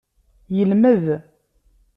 Yelmed.